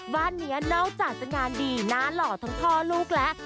บ้านเนี้ยเน่าจากสัญญาณดีน้าหล่อท้องทอลูกและ